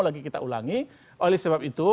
lagi kita ulangi oleh sebab itu